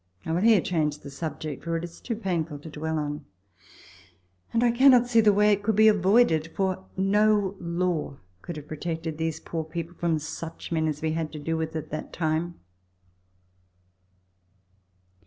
I will here change the subject, for it is too painful to dwell on, and I cannot see the way it could be avoided, for no law could have protected these poor people from such men as we had to do with at that time.